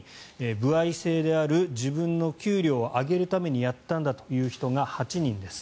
歩合制である自分の給料を上げるためにやったんだという人が８人です。